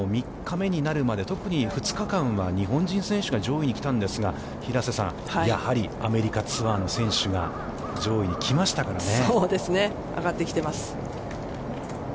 ３日目になるまで、特に２日間は、日本人選手が上位に来たんですが、平瀬さん、やはりアメリカツアーの選手が、上位に来ましたからね。